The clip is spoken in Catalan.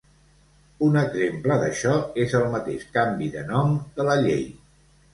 Un exemple d’això és el mateix canvi de nom de la llei.